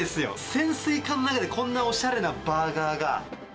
潜水艦の中で、こんなおしゃれなバーガーが。